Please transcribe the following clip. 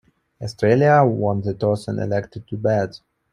Australia won the toss and elected to bat.